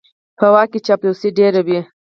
په واک کې چاپلوسي ډېره وي.